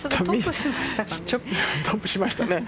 トップしましたね。